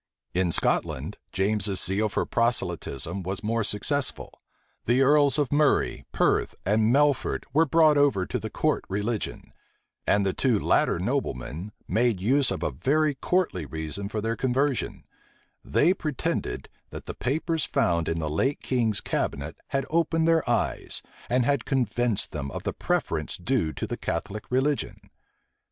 In Scotland, James's zeal for proselytism was more successful. The earls of Murray, Perth, and Melfort were brought over to the court religion; and the two latter noblemen made use of a very courtly reason for their conversion: they pretended, that the papers found in the late king's cabinet had opened their eyes, and had convinced them of the preference due to the Catholic religion.